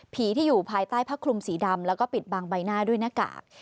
ที่อยู่ภายใต้ผ้าคลุมสีดำแล้วก็ปิดบางใบหน้าด้วยหน้ากาก